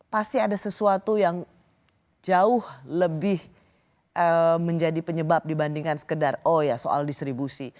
pasti ada sesuatu yang jauh lebih menjadi penyebab dibandingkan sekedar oh ya soal distribusi